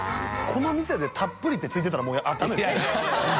この店で「たっぷり」って付いてたらもうダメですね。